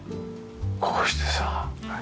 こうしてさ。